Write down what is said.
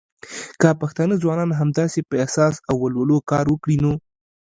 که پښتانه ځوانان همداسې په احساس او ولولو کار وکړی نو